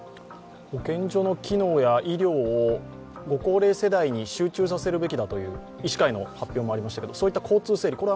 保健所の機能や医療をご高齢世代に集中させるべきだという医師会の発表もありましたけど、そういった交通整理